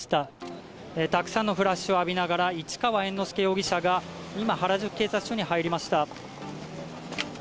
たくさんのフラッシュを浴びながら市川猿之助容疑者が今、原宿警察署に入りました。